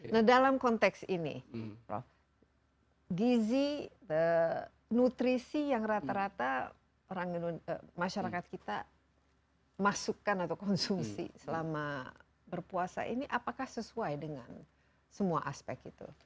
nah dalam konteks ini prof gizi nutrisi yang rata rata masyarakat kita masukkan atau konsumsi selama berpuasa ini apakah sesuai dengan semua aspek itu